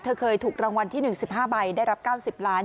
เคยถูกรางวัลที่๑๕ใบได้รับ๙๐ล้าน